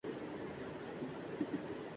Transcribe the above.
عرض کیجے جوہر اندیشہ کی گرمی کہاں